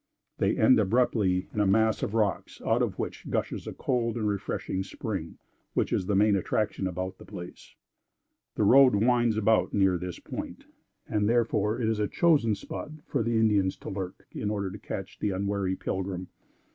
They end abruptly in a mass of rocks, out of which gushes a cold and refreshing spring, which is the main attraction about the place. The road winds about near this point, and therefore it is a chosen spot for the Indians to lurk, in order to catch the unwary pilgrim.